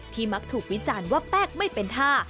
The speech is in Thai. มักถูกวิจารณ์ว่าแป้งไม่เป็นท่า